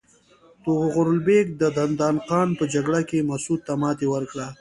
طغرل بیګ د دندان قان په جګړه کې مسعود ته ماتې ورکړه.